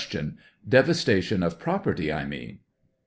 Devastation of property, I mean